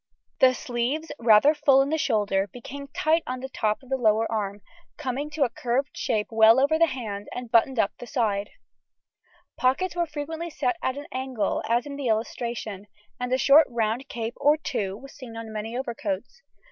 The sleeves, rather full in the shoulder, became tight on the lower arm, coming to a curved shape well over the hand, and buttoned up the side. The pockets were frequently set at an angle, as in illustration, and a short round cape, or two, was seen on many overcoats.